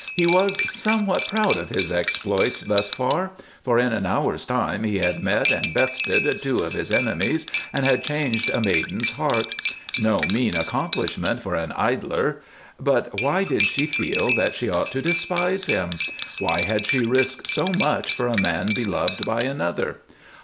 He was somewhat proud of his exploits thus far, for in an hour's time he had met and bested two of his enemies and had changed a maiden's heart. No mean accomplishment for an idler! But why did she feel that she ought to despise him? Why had she risked so much for a man beloved by another?